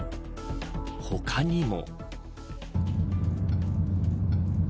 他にも。